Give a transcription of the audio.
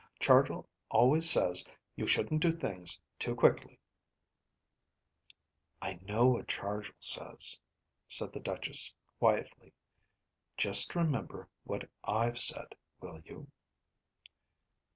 Chargill always says you shouldn't do things too quickly ..." "I know what Chargill says," said the Duchess quietly. "Just remember what I've said, will you?"